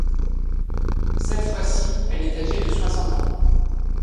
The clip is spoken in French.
Cette fois-ci, elle est âgée de soixante ans.